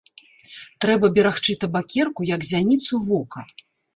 Трэба берагчы табакерку як зяніцу вока.